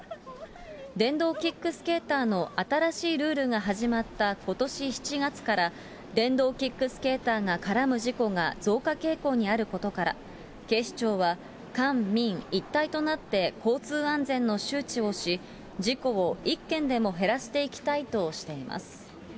電動キックスケーターの新しいルールが始まったことし７月から、電動キックスケーターが絡む事故が増加傾向にあることから、警視庁は、官民一体となって交通安全の周知をし、事故を一件でも減らしていきたいとしています。